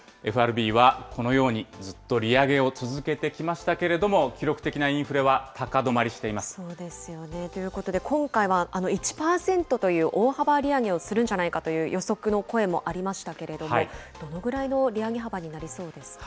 ＦＲＢはこのようにずっと利上げを続けてきましたけれども、記録的なインフレは高止まりしていまそうですよね。ということで、今回、１％という大幅利上げをするんじゃないかという予測の声もありましたけれども、どのぐらいの利上げ幅になりそうですか。